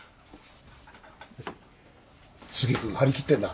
杉君張り切ってんな